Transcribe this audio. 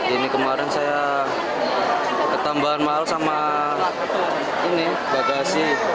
ini kemarin saya ketambahan mahal sama ini bagasi